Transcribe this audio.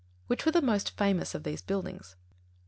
_Which were the most famous of these buildings?